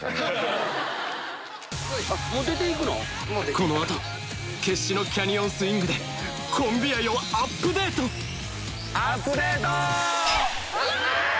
この後決死のキャニオンスイングでコンビ愛をアップデートアップデート！